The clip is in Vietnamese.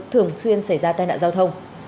thường xuyên xảy ra tai nạn giao thông